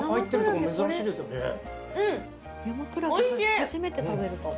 初めて食べるかも。